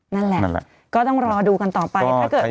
นั่นแหละก็ต้องรอดูกันต่อไป